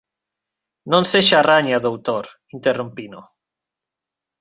Non sexa raña, doutor −interrompino−.